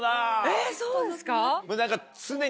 えっそうですか？